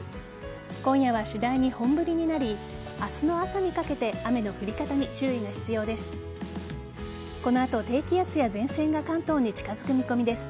今夜は次第に本降りになり明日の朝にかけて雨の降り方に注意が必要です。